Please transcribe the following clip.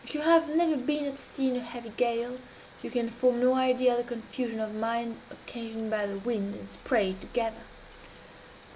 If you have never been at sea in a heavy gale, you can form no idea of the confusion of mind occasioned by the wind and spray together.